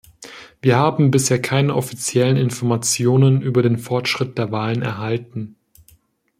Wir haben bisher keine offiziellen Informationen über den Fortschritt der Wahlen erhalten.